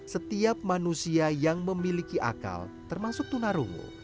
setiap manusia yang memiliki akal termasuk tunarungu